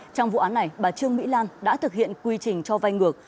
trong vụ án này bà trương mỹ lan đã thực hiện quy trình cho vai ngược